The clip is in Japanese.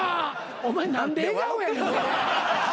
お前何で笑顔やねん。